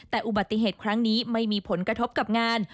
แต่อุบัติเหตุครั้งนี้ไม่มีผลกระทบกับงาน